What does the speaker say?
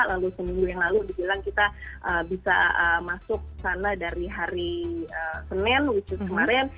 lalu seminggu yang lalu dibilang kita bisa masuk sana dari hari senin